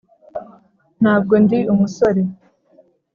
ntabwo ndi umusore.